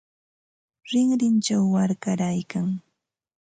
Rinrinchaw warkaraykan.